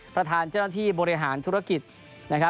ประธานเจ้าหน้าที่บริหารธุรกิจ